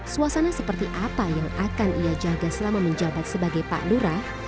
suasana seperti apa yang akan ia jaga selama menjabat sebagai pak lurah